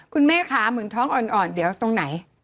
คุณแม่คะเหมือนท้องอ่อนเดี๋ยวตรงไหน